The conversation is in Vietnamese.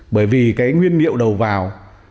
bởi vì cái nguyên liệu đầu vào